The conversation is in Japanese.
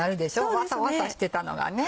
ワサワサしてたのがね。